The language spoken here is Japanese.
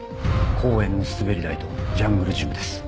公園の滑り台とジャングルジムです。